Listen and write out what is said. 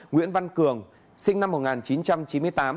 nguyễn văn cường sinh năm một nghìn chín trăm chín mươi tám